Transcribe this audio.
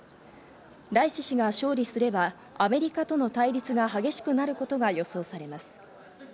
ライシ師が勝利すれば、アメリカとの対立が激しくなることが予想